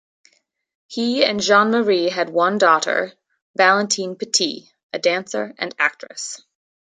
He and Jeanmaire had one daughter, Valentine Petit, a dancer and actress.